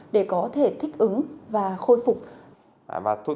để có thể thích ứng và khôi phục